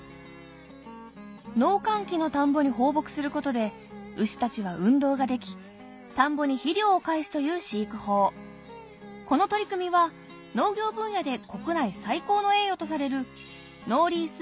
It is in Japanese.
農閑期の田んぼに放牧することで牛たちは運動ができ田んぼに肥料を返すという飼育法この取り組みは農業分野で国内最高の栄誉とされる小っちゃい！